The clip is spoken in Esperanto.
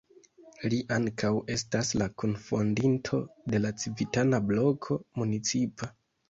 Li ankaŭ estas la kunfondinto de la Civitana Bloko Municipa.